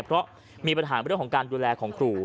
เพราะมีปัญหาเรื่องของการดูแลของครู